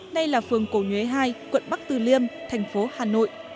nay là phường cổ nhuế hai quận bắc từ liêm thành phố hà nội